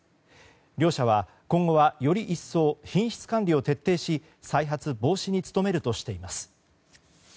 両社は、今後はより一層品質管理を徹底し再発防止に努めるとしています。